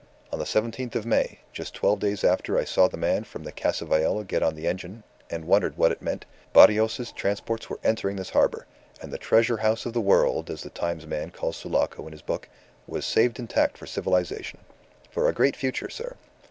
On the seventeenth of May, just twelve days after I saw the man from the Casa Viola get on the engine, and wondered what it meant, Barrios's transports were entering this harbour, and the 'Treasure House of the World,' as The Times man calls Sulaco in his book, was saved intact for civilization for a great future, sir.